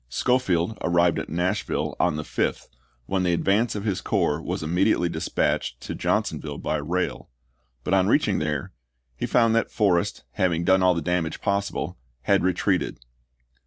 Scho field arrived at Nashville on the 5th, when the nov, is64. advance of his corps was immediately dispatched to Johnsonville by rail ; but on reaching there he 8 AEEAHAM LINCOLN chap. i. found that Forrest, having done all the damage possible, had retreated.